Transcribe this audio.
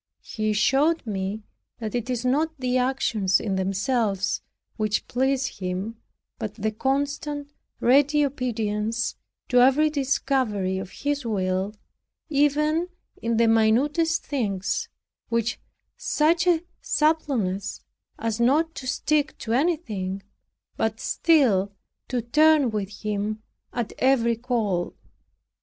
He showed me that it is not the actions in themselves which please Him, but the constant ready obedience to every discovery of His will, even in the minutest things, with such a suppleness, as not to stick to anything, but still to turn with Him at every call.